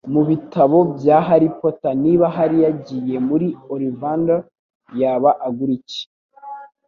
Mubitabo bya Harry Potter Niba Harry yagiye muri Olivander Yaba agura iki?